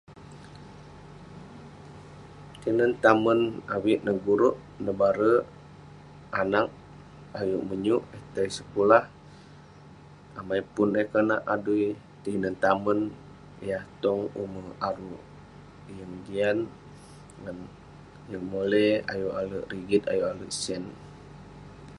Tinen tamen avik neh guruk nebare anag ayuk menyuk eh tai sekulah. Amai pun eh konak tinen tamen tong ume' aruk. Yeng jian ngan yeng moley ayuk ale rigit, ayuk ale sen.